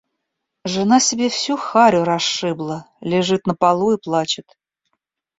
Жена себе всю харю расшибла, лежит на полу и плачет.